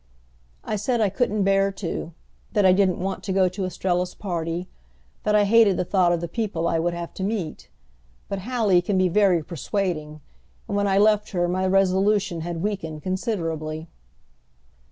I said I couldn't bear to, that I didn't want to go to Estrella's party, that I hated the thought of the people I would have to meet. But Hallie can be very persuading, and when I left her my resolution had weakened considerably.